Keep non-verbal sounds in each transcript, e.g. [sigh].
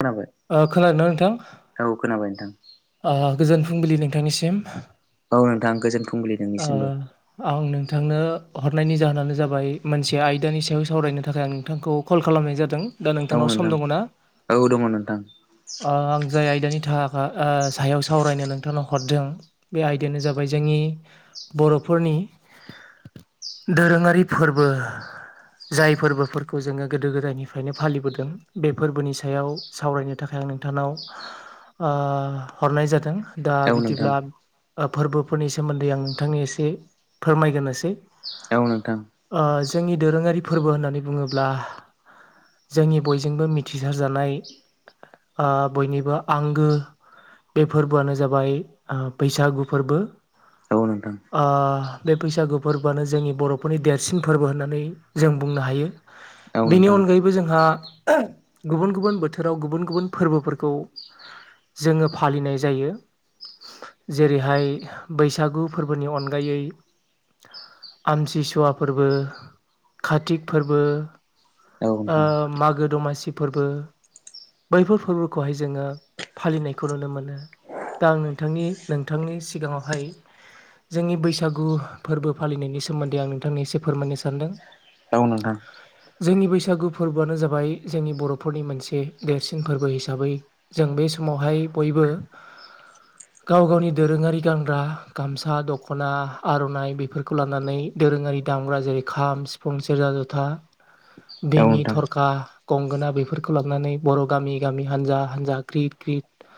खोनाबाय ओ खोनादोंना नोंथां। औ खोनाबाय नोंथां ओ गोजोन फुंबिलि नोंथांनिसिम औ नोंथां गोजोन फुंबिलि ओ नोंनिसिमबो आं नोंथांनो हरनायनि जाहोनानो जाबाय मोनसे आयदानि सायाव सावरायनो थाखाय आं नोंथांखौ कल खालामनाय जादों। दा औ नोंथांनाव सम नोंथां दङना औ दङ नोंथां ओ आं जाय आयदानि थाखा आ सायाव सावरायनो नोंथांनाव हरदों बे आयदायानो जाबाय जोंनि बर'फोरनि दोरोङारि फोरबो। जाय फोरबोफोरखौ जोङो गोदो गोदायनिफ्रायनो फालिबोदों बे फोरबोनि सायाव सावरायनो थाखाय नोंथानाव ओ हरनाय जादों दा औ नोंथां बिदिब्ला ओ फोरबोफोरनि सोमोन्दै आं नोंथांनि एसे फोरमायग्रोनोसै। औ नोंथां। ओ जोंनि दोरोङारि फोरबो होननानै बुङोब्ला जोंनि बयजोंबो मिथिसारजानाय ओ बयनिबो आंगो बे फोरबोआनो जाबाय बैसागु फोरबो। औ नोंथां ओ बे बैसागु फोरबोआनो जोंनि बर'फोरनि देरसिन फोरबो होननानै जों बुंनो हायो। औ बेनि नोंथां अनगायैबो जोंहा गुबुन गुबुन बोथोराव गुबुन गुबुन फोरबोफोरखौ जोङो फालिनाय जायो। जेरैहाय बैसागु फोरबोनि अनगायै आमथिसुवा फोरबो, काति फोरबो। औ ओ नोंथां मागो दमासि फोरबो बैफोर फोरबोखौहाय जोङो फालिनायखौ नुनो मोनो दा आं नोंथांनि नोंथांनि सिगाङावहाय जोंनि बैसागु फोरबो फालिनायनि सोमोन्दै आं नोंथांनि एसे फोरमायनो सानदों। ओ जोंनि बैसागु फोरबोआनो जाबाय जोंनि बर'फोरनि मोनसे देरसिन फोरबो हिसाबै जों बे समावहाय बयबो गाव गावनि दोरोङारि गानग्रा गामसा, दख'ना, आर'नाइ बेफोरखौ लानानै दोरोङारि दामग्रा जेरै खाम, सिफुं, सेरजा, जथा औ बेङि, नोंथां थरखा, गंगोना बेफोरखौ लानानै बर' गामि गामि हानजा हानजा ग्रिद ग्रिद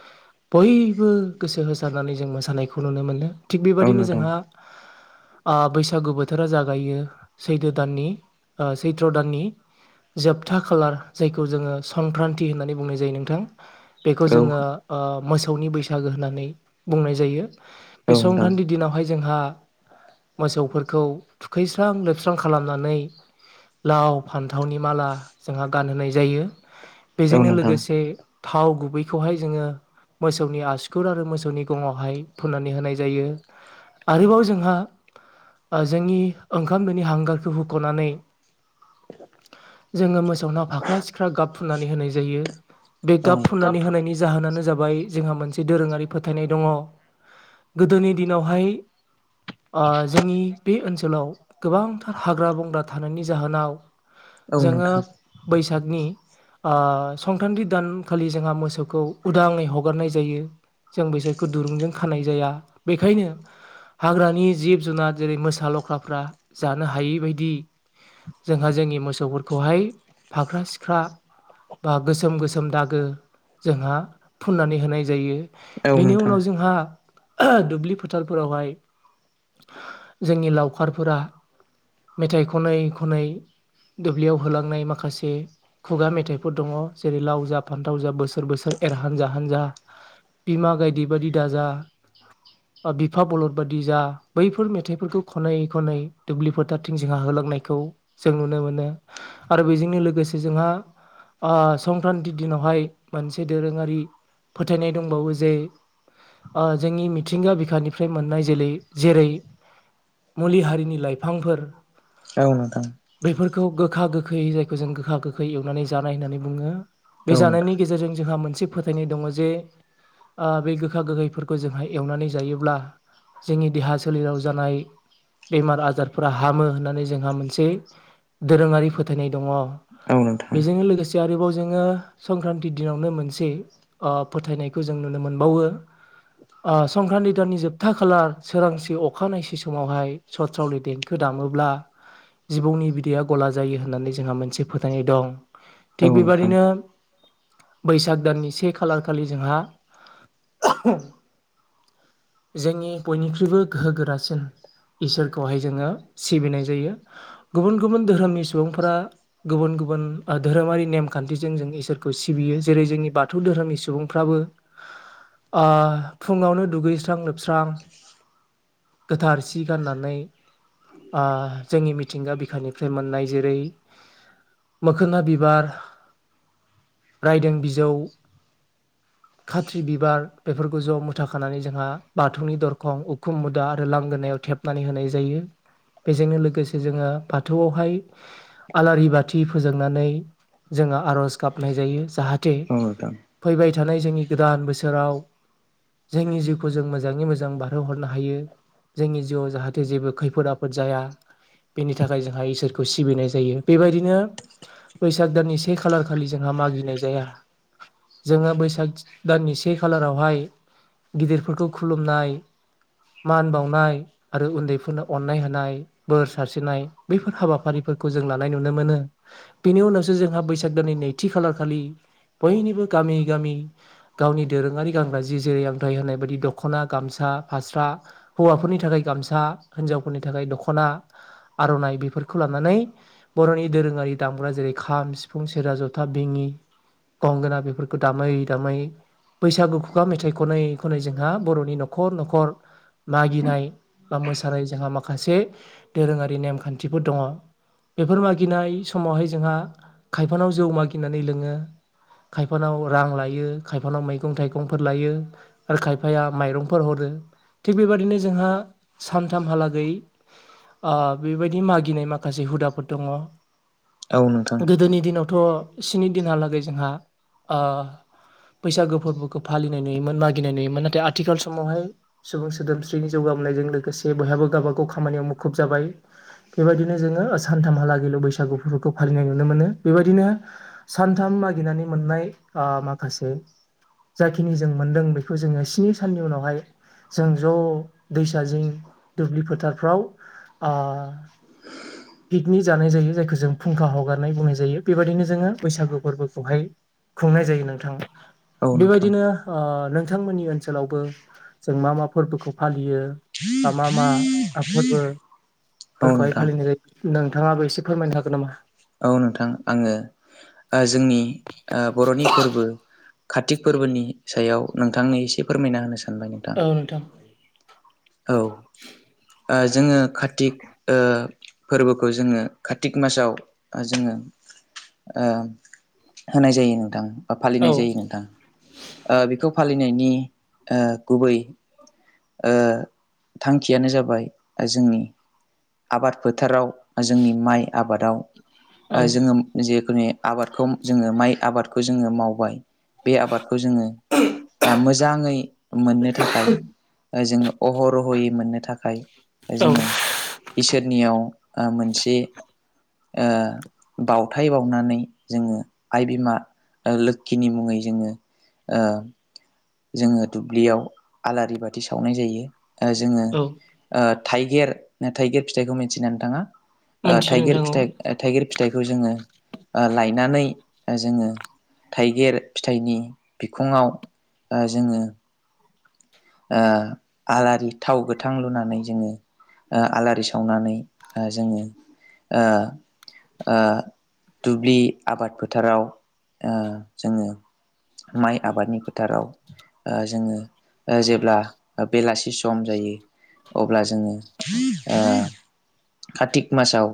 बयबो गोसो होसारनानै जों मोसानायखौ नुनो मोनो। थिग औ बेबायदिनो जोंहा नोंथां ओ बैसागु बोथोरा जागायो सैथो दाननि ओ सैथ्र' दाननि जोबथा खालार जायखौ जोङो संक्रान्ति होननानै बुंनाय जायो नोंथां। बेखौ औ जोङो ओ मोसौनि बैसागो होननानै बुंनाय जायो‌ बे औ नोंथां संक्रान्ति दिनावहाय जोंहा मोसौफोरखौ थुखैस्रां लोबस्रां खालामनानै लाव, फान्थावनि माला जोंहा गानहोनाय जायो। औ बेजोंनो नोंथां लोगोसे थाव गुबैखौहाय जोङो मोसौनि आसुखुर आरो मोसौनि गङावहाय फुननानै होनाय जायो। आरोबाव जोंहा ओ जोंनि ओंखाम दोनि हांगारखौ हुख'नानै जोङो मोसौनाव फाख्रा-सिख्रा गाब फुननानै होनाय जायो बे औ औ गाब नोंथां फुननानै होनायनि जाहोनानो जाबाय जोंहा मोनसे दोरोङारि फोथायनाय दङ। गोदोनि दिनावहाय ओ जोंनि बे ओनसोलाव गोबांथार हाग्रा-बंग्रा थानायनि जाहोनाव औ नोंथां औ नोंथां औ जोङो नोंथां बैसागनि ओ संख्रांथि दान खालि जोंहा मोसौखौ उदाङै हगारनाय जायो। जों बिसोरखौ दुरुंजों खानाय जाया। बेखायनो हाग्रानि जिब जुनार जेरै मोसा ल ख्राफ्रा जानो हायै बायदि जोंहा जोंनि मोसौफोरखौहाय फाख्रा सिख्रा बा गोसोम गोसोम दा गो जोंहा फुननानै होनाय जायो। बेनि उनाव जोंहा दुब्लि फोथार फोरावहाय जोंनि लावखारफोरा मेथाइ खनै खनै दुब्लियाव होलांनाय माखासे खुगा मेथाइफोर दङ जेरै लाव जा फानथाव जा बोसोर बोसोर एर हानजा हानजा, बिमा गायदे बायदि दाजा बा बिफा बलद बादि जा बैफोर मेथाइफोरखौ खनै खनै दुब्लि फोथारथिं जोंहा हो लांनायखौ जों नुनो मोनो। आरो बेजोंनो लोगोसे जोंहा ओ संख्रानथि दिनावहाय मोनसे दोरोङारि फोथायनाय दंबावो जे ओ जोंनि मिथिंगा बिखानिफ्राय मोननाय जेलै जेरै मुलि हारिनि लाइफांफोर औ नोंथां खौ गोखा गोखै जायखौ जों गोखा गोखै एवनानै जानाय होननानै बुङो। बे जानायनि गेजेरजों जोंहा मोनसे फोथायनाय दङ जे ओ बे गोखा गोखैफोरखौ जोंहा एवनानै जायोब्ला जोंनि देहा सोलेराव जानाय बेमार-आजारफोरा हामो होननानै जोंहा मोनसे दोरोङारि फोथायनाय दङ। औ बेजोंनो लोगोसे आरोबाव जोङो संक्रान्ति दिनावनो मोनसे ओ फोथायनायखौ जों नुनो मोनबावो ओ संक्रान्ति दाननि जोबथा खालार सोरांसि अखानायनायसि समावहाय सथ्रावलि देंखो दा मोब्ला जिबौनि बिदैया गला जायो होननानै जोंहा मोनसे फोथायनाय दं। थिग नोंथां बेबादिनो बैसाग दाननि से खालार खालि जोंहा जोंनि बयनिख्रुइबो गोहो गोरासिन इसोरखौहाय जोङो सिबिनाय जायो। गुबुन गुबुन धोरोमनि सुबुंफोरा गुबुन गुबुन ओ धोरोमारि नेमान्थिजों जों इसोर खौ सिबियो जेरै जोंनि बाथौ धोरोमनि सुबुंफ्राबो फुङावनो दुगैस्रां लोबस्रां गोथार सि गाननानै जोंनि मिथिंगा बिखानिफ्राय मोननाय जेरै मोखोना बिबार रायदों बिजौ खाथ्रि बिबार बेफोरखौ ज' मुथाखानानै जोंहा बाथौनि दरखं उखुम मुदा आरो लांगोनायाव खेबनानै होनाय जायो बेजोंनो लोगोसे जोङो बाथौआवहाय आलारि बाथि फोजोंनानै जोङो आर'ज गाबनाय जायो जाहाथे औ नोंथां औ नोंथां फैबाय थानायानाय जोंनि गोदान बोसोराव जोंनि जिउखौ जों मोजाङै मोजां बारहोहरनो हायो जोंनि जिउआव जाहाथे जेबो खैफोद आफोद जाया बेनि थाखाय जोंहा इसोरखौ सिबिनाय जायो बेबायदिनो बैसाग दाननि से खालार खालि जोंहा मागिनाय जाया जोङो बैसाग दाननि से खालारावहाय। गिदिरफोरखौ खुलुमनाय। मान बावनाय आरो उन्दैफोरनो अननाय होनाय बोर सारस्रिनाय बेफोर हाबाफारिफोर। फोरखौ जों लानाय नुनो मोनो बेनि उनावसो जोंहा बैसाग दाननि नैथि खालार खालि। बयनिबो गामि गामि गावनि दोरोङारि गानग्रा जि जेरै आन्थाइ होनाय बायदि दख'ना गामसा। फ हौवफोरनि थाखाय गामसा हिनजावफोरनि थाखाय दख'ना आर'नाइ बे। खौ लानानै बर'नि दोरोङारि दामग्रा जेरै खाम सिफुं सेरा जथा बेङि गंगोना बेफोरखौ दामै दामै बैसागु खुगा मेथाइ खननायै खननायजों। जों बर'नि न'खर न'खर मागिनाय बा मोस साराय जोंहा माखासे दोरोङारि नेमखान्थिफोर दङ। बेफोर मागिनाय समावहाय जोंहा खायफानाव जौ मागिनानै लोङो। खायफानाव रां लायो खायफानाव मैगं थाइगंफोर लायो आरो खायफाया माइरंफोर हरो। थिग बेबादिनो जोंहा सानथामहालागै। बेबायदि मागिनाय माखासे हुदाफोर दङ। औ नोंथां गोदोनि दिनावथ' स्नि दिनहालागै जोंहा। बैसागो फोरबोखौ फालिनाय नुयोमोन मागिनाय नुयोमोन नाथाय आथिखाल समावहाय सुबुं सोदोमस्रिनि जौगाब। लोगोसे बयहाबो गावब गाव खामानियाव मुखुब जाबाय बेबायदिनो जोङो सानथामहालागैल' बैस। बैसागु फोरफोरखौ फालिनाय नुनो मोनो बेबायदिनो। सानथाम मागिनानै मोननाय माखासे। जाखिनि जों मोनदों बेखौ जोङो स्नि साननि उनावहाय। जों ज' दैसा जिोंं दुब्लि फोथारफ्राव। पिकनिक जानाय जायो जायखौ जों फुंखा हगारनाय बुंनाय जायो बेबायदिनो। जोङो बैसागु फोरबोखौहाय खुंनाय जायो नोंथां औ नोंथां औ नोंथां बेबायदिनोों। बिथांमोननि ओनसोलावबो जों मा मा फोरबोखौ फालियो। बा मा मा फोरबो। फोरखौहाय फालिनाय जायो नोंथाङाबो एसे फोरमायनो हागोन नामा? औ नोंथां आङो जोंनि बर'नि फोरबो। कार्तिक फोरबोनि सायाव नोंथांनो एसे फोरमायना होनो सानबाय नोंथां। औ जोङो कारतिक। फोरबोखौ जोङो कारतिक मासाव। जोङो होनाय जायो नोंदां। औ फालिनाय जायो नोंथां बेखौ फालिनायनि गुबै। ओ [inaudible] थांखियानो जाबाय जोंनि आबाद फोथाराव जोंनि माइ आबादाव जोङो जेखुनु आबादखौ जोङो माइ आबादखौ जोङो मावबाय। बे आबादखौ जोङो मोजाङै मोननो थाखाय। जोङो अहरह'यै मोननो थाखाय औ जोङो। इसोरनियाव मोनसे। बावथाय बावनानै जोङो आइ बिमा। लोखिनि मुङै जोङो ओ। जोङो दुब्लियाव आलारि बाथि सावनाय जायो जोङो। औ थाइगिर थाइगिर फिथाइखौ मिथियोना नोंथाङा। मोनथियो थाइगिर नोंथां औ फिथाइ थाइगिर फिथाइखौ जोङो लायनानै। जोङो थाइगिर फिथाइनि बिखङाव जोङो। आलारि थाव गोथां लुनानै जोङो। आलारि सावनानै जोङो ओ। दुब्लि आबाद फोथाराव जोङो। माइ आबादनि फोथाराव जोङो जेब्ला बेलासि सम जायो अब्ला जोङो ओ। कारतिक मासाव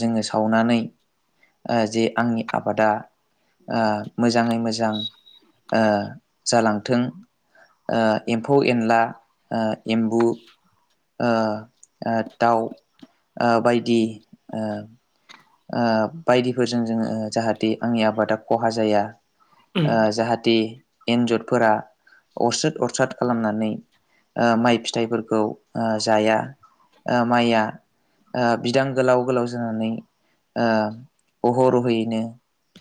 जोङो सावनानै जे आंनि आबादा मोजाङै मोजां जालांथों एम्फौ एनला एम्बु दाउ बायदि बायदिफोरजों जोङो जाहाथे आंनि आबादा खहा जाया उम जाहाथे एन्जतफोरा अरस्रुद अरसाद खालामनानै माइ फिथाइफोरखौ जाया माइया बिदां गोलाव गोलाव जानानै अहरहैयैनो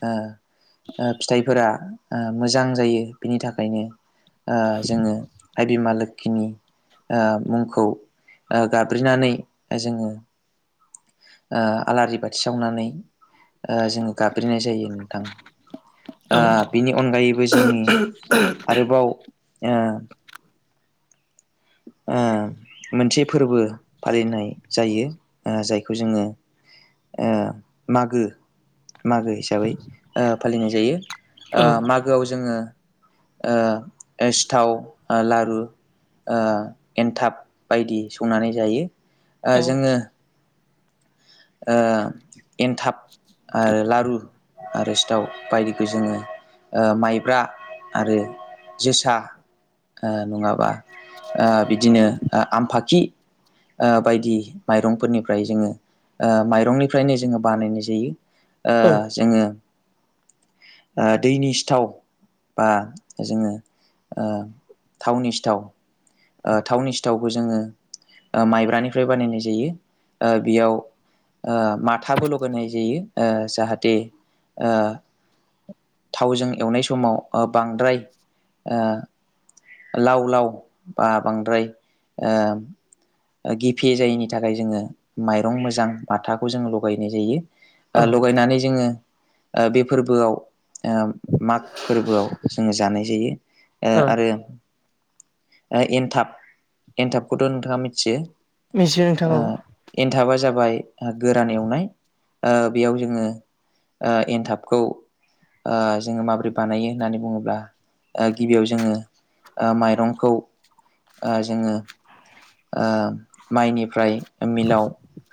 ओ फिथाइफोरा मोजां जायो बिनि थाखायनो जोङो आइ बिमा लोखिनि मुंखौ गाबज्रिनानै जोङो आलारि बाथि सावनानै जोङो गाब्रिनाय जायो नोंथां औ बिनि अनगायैबो जोंनि आरोबाव ओ ओ मोनसे फोरबो फालिनाय जायो जायखौ जोङो मागो मागो हिसाबै फालिनाय जायो औ मागोआव जोङो सिथाव लारु एन्थाब बायदि संनानै जायो औ जोङो एनथाब आरो लारु आरो सिटाव बायदिखौ जोङो माइब्रा आरो जोसा नङाबा बिदिनो आमफाखि बायदि माइरंफोरनिफ्राय जोङो माइरंनिफ्रायनो जोङो बानायनाय जायो औ जोङो दैनि सिथाव बा जोङो थावनि सिथाव थावनि सिथावबो जोङो माइब्रानिफ्राय बानायनाय जायो बेयाव माथाबो लगायनाय जायो जाहाथे थावजों एवनाय समाव बांद्राय ओ लाव लाव बा बांद्राय ओ गिफे जायैनि थाखाय जोङो माइरं मोजां बाथाखौ जोङो लगायनाय जायो औ लगायनानै जोङो बे फोरबोआव ओ माग फोरबोआव जोङो जानाय जायो ओ आरो ओ एनथाब एनथाबखौथ' नोंथाङा मिथियो मिथियो नोंथां औ ओ एनथाबा जाबाय गोरान एवनाय बेयाव ओ जोङो ओ एन्थाबखौ ओ जोङो माबोरै बानायो होननानै बुङोब्ला ओ गिबियाव जोङो ओ माइरंखौ ओ जोङो ओ माइनिफ्राय मिलाव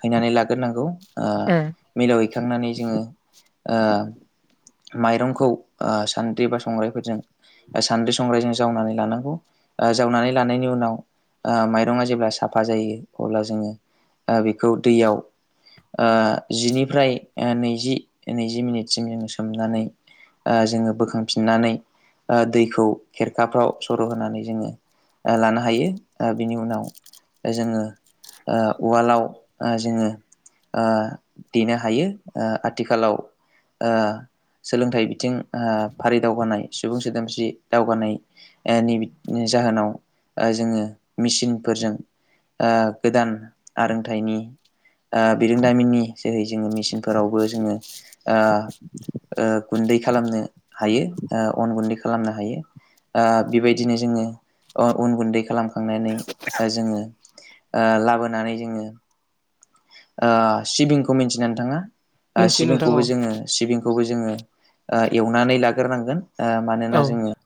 हैनानै लाग्रोनांगौ ओ उम मिलाव हैखांनानै जोङो ओ माइरंखौ ओ सान्द्रि बा संग्राइफोरजों सान्द्रि संग्राइजों जावनानै लानांगोन जावनानै लानायनि उनाव ओ माइरङा जेब्ला साफा जायो अब्ला जोङो ओ बेखौ दैयाव ओ जिनिफ्राय ओ नैजि नैजि मिनिटसिम जोङो सोमनानै ओ जोङो बोखांफिननानै ओ दैखौ खेरखाफ्राव सर' होनानै जोङो ओ लानो हायो ओ बिनि उनाव जोङो ओ उवालाव ओ जोङो ओ देनो हायो ओ आथिखालाव ओ सोलोंथाइ बिथिं ओ फारि दावगानाय सुबुं सोदोमस्रि दावगानाय ओ जाहोनाव ओ जोङो मेसिनफोरजों ओ गोदान आरोंथाइनि ओ बिरोंदामिननि जोहै जोङो मेसिनफोरावबो जोङो ओ ओ गुन्दै खालामनो हायो ओ अन गुन्दै खालामनो हायो ओ बेबायदिनो जोङो अन उन गुन्दै खालामखांनानै ओ जोङो ओ लाबोनानै जोङो ओ सिबिंखौ मिथियोना नोंथाङा? ओ मिथियो नोंथां सिबिंखौबो औ जोङो सिबिंखौबो जोङो ओ एवनानै लाग्रोनांगोन। ओ मानोना औ जोङो